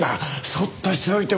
そっとしておいてくれ。